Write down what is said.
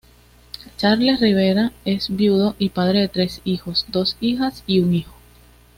Carles Riera es viudo y padre de tres hijos: dos hijas y un hijo.